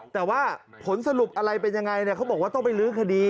แต่ว่าผลสรุปอะไรเป็นยังไงเขาบอกว่าต้องไปลื้อคดี